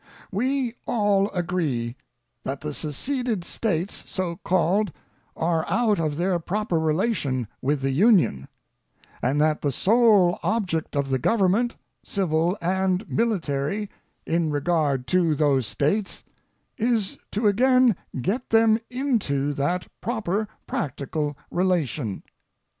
We all agree that the seceded States, so called, are out of their proper relation with the Union; and that the sole object of the government, civil and military, in regard to those States is to again get them into that proper practical relation.